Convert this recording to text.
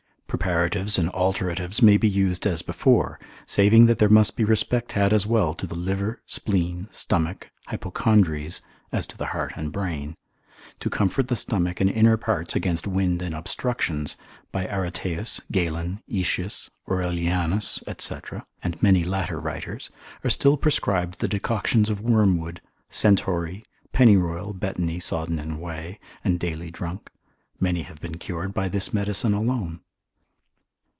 Preparatives and alteratives may be used as before, saving that there must be respect had as well to the liver, spleen, stomach, hypochondries, as to the heart and brain. To comfort the stomach and inner parts against wind and obstructions, by Areteus, Galen, Aetius, Aurelianus, &c., and many latter writers, are still prescribed the decoctions of wormwood, centaury, pennyroyal, betony sodden in whey, and daily drunk: many have been cured by this medicine alone.